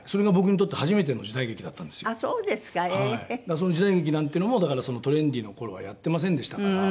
その時代劇なんていうのもだからそのトレンディの頃はやってませんでしたから。